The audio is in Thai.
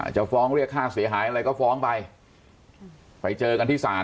จะฟ้องเรียกค่าเสียหายอะไรก็ฟ้องไปไปเจอกันที่ศาล